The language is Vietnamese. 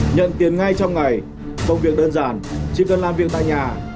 nhận tiền ngay trong ngày công việc đơn giản chỉ cần làm việc tại nhà